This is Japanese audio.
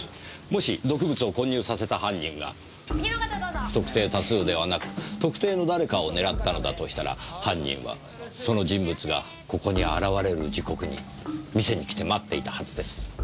もし毒物を混入させた犯人が不特定多数ではなく特定の誰かを狙ったのだとしたら犯人はその人物がここに現れる時刻に店に来て待っていたはずです。